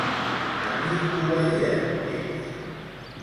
A qui obeïen ells?